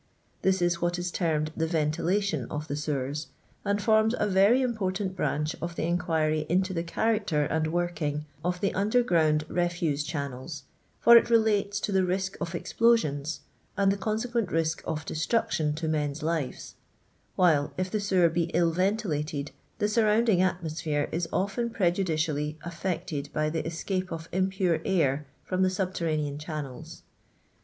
This is what is termed the Ventilation of the Sewers, and forms a very important branch of the inquiry into the character and working of the undergromid refuse channels, for it relates to the risk of explosions and the consequent risk of de struction to men's lives ; while, if the sewer be ill ventilated, the surrounding atmosphere is often prejudicially affected by tlM escape of impure air from the subterranean channels.